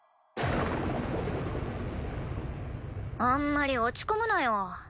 あんまり落ち込むなよ。